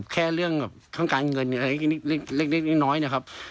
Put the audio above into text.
แค่เรื่องข้างการเงินอะไรเล็กน้อยนะครับ